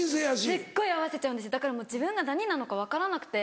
すごい合わせちゃうんですだからもう自分が何なのか分からなくて。